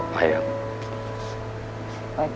ไปครับ